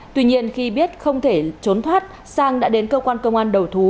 tuy nhiên khi biết không thể trốn thoát sang đã đến cơ quan công an đầu thú